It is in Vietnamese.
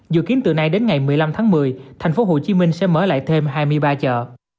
dự kiến từ nay đến ngày một mươi năm tháng một mươi thành phố hồ chí minh sẽ mở lại thêm hai mươi ba chợ